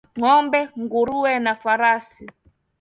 Ngombe nguruwe na farasi